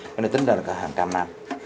cái này tính ra là hàng trăm năm